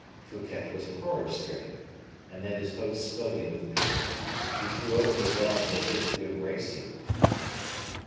Fouquet was horror stricken, and then his heart smote him with pity. He threw open his arms as if to embrace him.